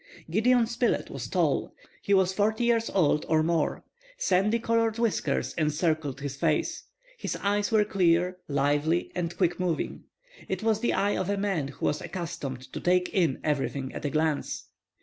Gideon Spilett was tall. He was forty years old or more. Sandy colored whiskers encircled his face. His eye was clear, lively, and quick moving. It was the eye of a man who was accustomed to take in everything at a glance.